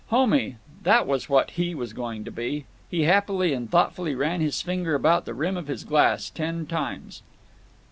Homey—that was what he was going to be! He happily and thoughtfully ran his finger about the rim of his glass ten times.